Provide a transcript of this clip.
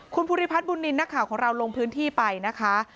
คุณภูริพัฒน์บุญนินทร์นักข่าวของเราลงพื้นที่ไปนะคะ